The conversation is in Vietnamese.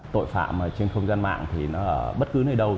tội phạm trên không gian mạng thì nó ở bất cứ nơi đâu